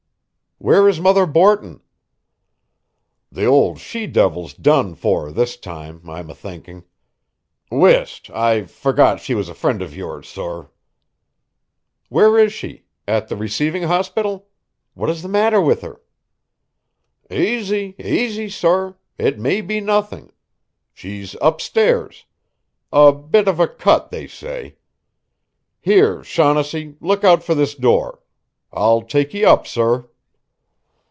"Where is Mother Borton?" "The ould she divil's done for this time, I'm a thinking. Whist, I forgot she was a friend of yours, sor." "Where is she at the receiving hospital? What is the matter with her?" "Aisy, aisy, sor. It may be nothing. She's up stairs. A bit of a cut, they say. Here, Shaughnessy, look out for this door! I'll take ye up, sor."